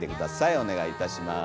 お願いいたします。